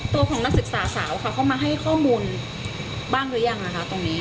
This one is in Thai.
ตัวของนักศึกษาสาวค่ะเข้ามาให้ข้อมูลบ้างหรือยังตรงนี้